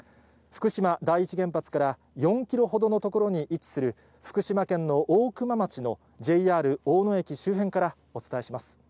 福島第一原発から４キロほどの所に位置する、福島県の大熊町のＪＲ大野駅周辺からお伝えします。